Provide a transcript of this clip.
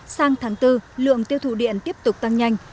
sang tháng bốn lượng tiêu thụ điện tiếp tục tăng nhanh